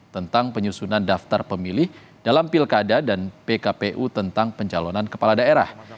tentang penyusunan daftar pemilih dalam pilkada dan pkpu tentang pencalonan kepala daerah